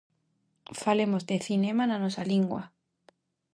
Falemos de cinema na nosa lingua.